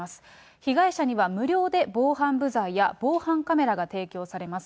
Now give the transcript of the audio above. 被害者には無料で防犯ブザーや防犯カメラが提供されます。